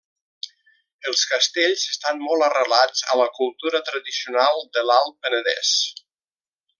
Els castells estan molt arrelats a la cultura tradicional de l'Alt Penedès.